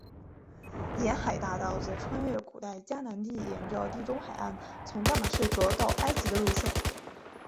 沿海大道则穿越古代迦南地沿着地中海岸从大马士革到埃及的路线。